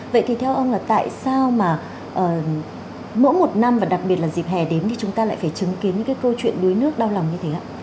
vậy thì theo ông là tại sao mà mỗi một năm và đặc biệt là dịp hè đến thì chúng ta lại phải chứng kiến những cái câu chuyện đuối nước đau lòng như thế